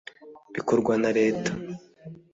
bikorwa na leta